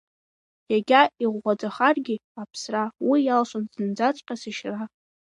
Иагьа иӷәӷәаӡахаргьы аԥсра, уи иалшом зынӡаҵәҟьа сышьра…